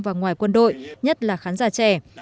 và ngoài quân đội nhất là khán giả trẻ